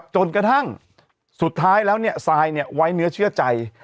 จนกระทั่งสุดท้ายแล้วซายไว้เนื้อเชื่อใจ